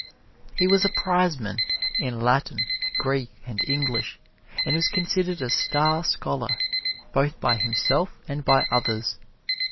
He was a prizeman in Latin, Greek and English, and was considered a star scholar both by himself and by others.